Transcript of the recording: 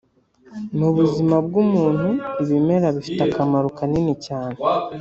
Mu buzima bw’umuntu ibimera bifite akamaro kanini cyane